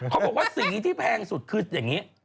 เขาบอกว่าสีที่แพงสุดคืออย่างนี้